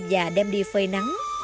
và đem đi phơi nắng